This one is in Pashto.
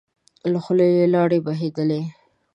له خولی يې لاړې بهېدلې.